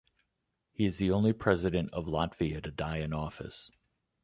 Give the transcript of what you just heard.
He is the only President of Latvia to die in office.